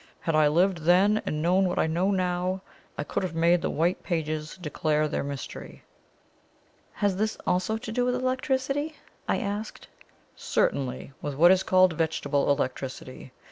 Had I lived then and known what I know now, I could have made the white pages declare their mystery." "Has this also to do with electricity?" I asked. "Certainly with what is called vegetable electricity.